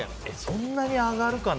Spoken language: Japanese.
そんなに上がるかね。